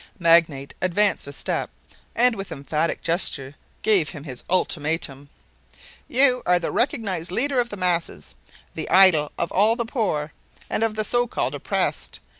Magnate advanced a step and with emphatic gesture gave his ultimatum: "You are the recognized leader of the masses, the idol of all the poor and of the so called oppressed.